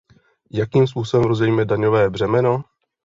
Jakým způsobem rozdělíme daňové břemeno?